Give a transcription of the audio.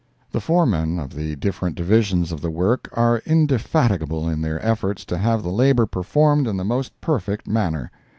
The foremen of the different divisions of the work are indefatigable in their efforts to have the labor performed in the most perfect manner.